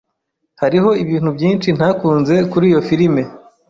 Hariho ibintu byinshi ntakunze kuri iyo firime.